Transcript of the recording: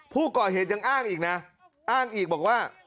ผู้ก่อเหตุยังอ้างอีกนะอ้างอีกบอกว่า